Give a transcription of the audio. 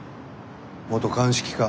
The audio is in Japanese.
元鑑識課。